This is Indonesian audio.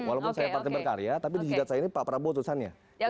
walaupun saya partai berkarya tapi di jidat saya ini pak prabowo tulisannya